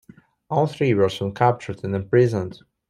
All three were soon captured and imprisoned.